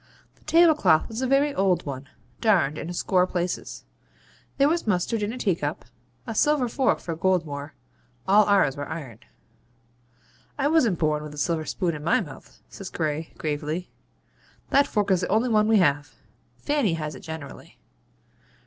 The tablecloth was a very old one, darned in a score places. There was mustard in a teacup, a silver fork for Goldmore all ours were iron. 'I wasn't born with a silver spoon in my mouth,' says Gray, gravely. 'That fork is the only one we have. Fanny has it generally.'